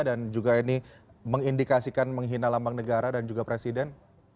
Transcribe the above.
dan juga ini mengindikasikan menghina lambang negara dan juga presiden